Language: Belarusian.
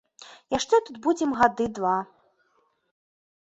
Яшчэ тут будзем гады два.